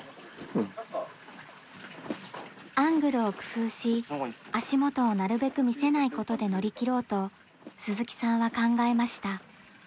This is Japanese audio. アングルを工夫し足元をなるべく見せないことで乗り切ろうと鈴木さんは考えました。